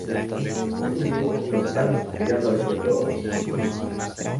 Es un dibujo frontal, mirando al espectador.